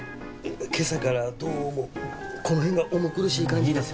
今朝からどうもこの辺が重苦しい感じでいいですよ